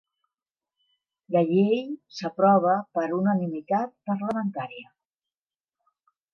La llei s'aprova per unanimitat parlamentària.